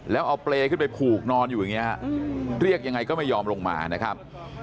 แล้วเอาเปรย์ขึ้นไปผูกนอนอยู่อย่างนี้ฮะเรียกยังไงก็ไม่ยอมลงมานะครับ